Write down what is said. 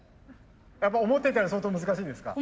やっぱ思ってたより相当難しいですか？